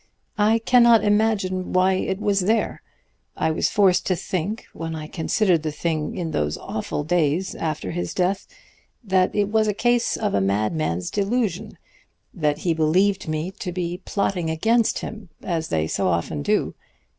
I cannot imagine why it was there. I was forced to think, when I considered the thing in those awful days after his death, that it was a case of a madman's delusion, that he believed me to be plotting against him, as they so often do.